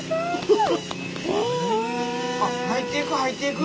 あっ入っていく入っていく。